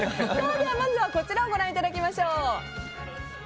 まずはこちらをご覧いただきましょう。